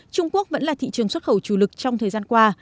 trung quốc vẫn là thị trường xuất khẩu chủ lực trong thời gian qua